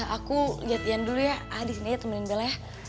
aku liat ian dulu ya ah disini aja temenin bella ya